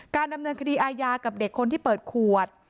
ดำเนินคดีอาญากับเด็กคนที่เปิดขวด